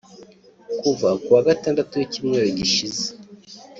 Kuva kuwa Gatandatu w’icyumweru gishize